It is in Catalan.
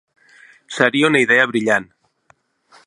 Seria una idea brillant.